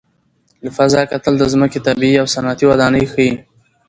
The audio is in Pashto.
له فضا کتل د ځمکې طبیعي او صنعتي ودانۍ ښيي.